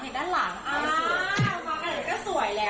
อ๋อมากันแล้วก็สวยแล้ว